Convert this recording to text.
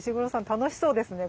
楽しそうですね